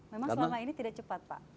memang selama ini tidak cepat pak